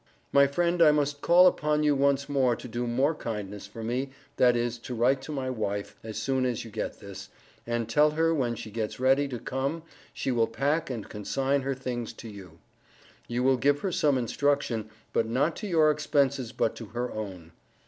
My friend I must call upon you once more to do more kindness for me that is to write to my wife as soon as you get this, and tell her when she gets ready to come she will pack and consign her things to you. You will give her some instruction, but not to your expenses but to her own.